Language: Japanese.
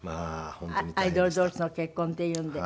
アイドル同士の結婚っていうので。